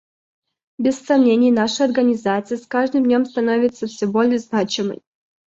Без сомнений, наша Организация с каждым днем становится все более значимой.